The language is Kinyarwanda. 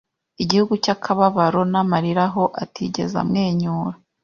Igihugu cyakababaro namarira aho atigeze amwenyura